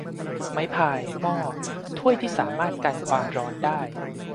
ไม้พาย หม้อ ถ้วยที่สามารถกันความร้อนได้